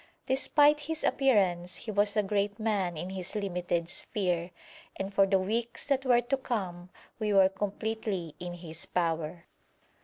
Despite his appearance he was a great man in his limited sphere, and for the weeks that were to come we were completely in his power.